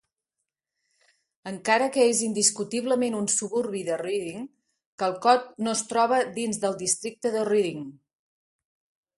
Encara que és indiscutiblement un suburbi de Reading, Calcot no es troba dins del districte de Reading.